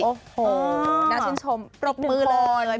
โอ้โหน่าชื่นชมปรบมือเลย